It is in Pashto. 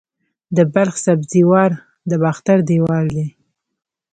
د بلخ سبزې وار د باختر دیوال دی